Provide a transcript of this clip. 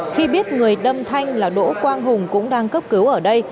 khi biết người đâm thanh là đỗ quang hùng cũng đang cấp cứu ở đây